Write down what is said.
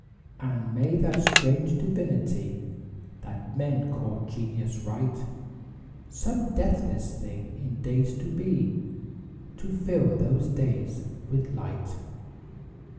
And may that strange divinity That men call Genius write Some deathless thing in days to be, To fill those days with light.